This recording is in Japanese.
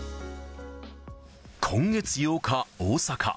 今月８日、大阪。